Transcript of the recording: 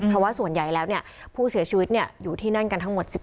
เพราะว่าส่วนใหญ่แล้วผู้เสียชีวิตอยู่ที่นั่นกันทั้งหมด